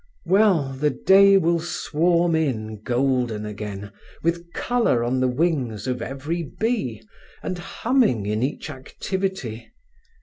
Well, the day will swarm in golden again, with colour on the wings of every bee, and humming in each activity.